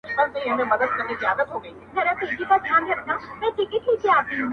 دیدن د بادو پیمانه ده!!